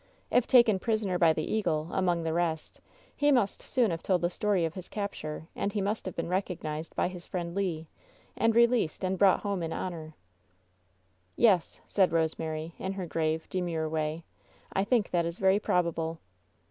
If taken prisoner by the Eagle, among the rest, he must soon have told the story of his capture, and he must have been recognized by his friend Le, and released and brought home in honor." "Yes," said Rosemary, in her grave, demure way, I think that is very probable."